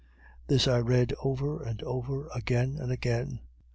This I read over and over, again and again.